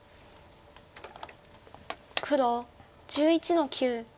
黒１１の九。